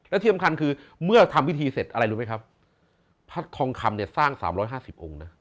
และที่สำคัญคือเมื่อทำพิธีเสร็จอะไรรู้ไหมครับพระทองคำเนี่ยสร้างสามร้อยห้าสิบองค์นะ